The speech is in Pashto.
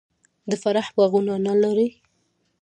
د فراه باغونه انار لري.